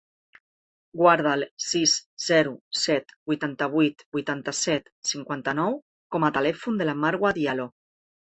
Guarda el sis, zero, set, vuitanta-vuit, vuitanta-set, cinquanta-nou com a telèfon de la Marwa Diallo.